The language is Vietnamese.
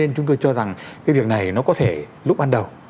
nên chúng tôi cho rằng cái việc này nó có thể lúc ban đầu